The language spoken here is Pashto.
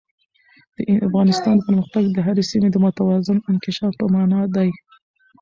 د افغانستان پرمختګ د هرې سیمې د متوازن انکشاف په مانا دی.